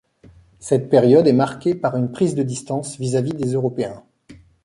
Cette période est marquée par une prise de distance vis-à-vis des Européens.